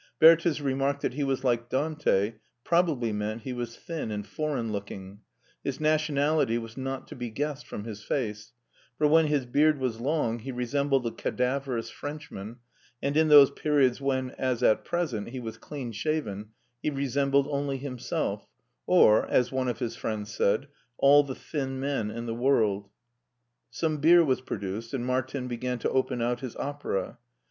Bertha's remark that he was like Dante probably meant he was thin and foreign looking; his nationality was not to be guessed from his face, for when his beard was long he resembled a cadaverous Frenchman, and in those periods when, as at present, he was clean shaven, he resembled only himself, or, as one of his friends said, all the thin men in the world. Some beer was produced, and Martin began to open out his opera.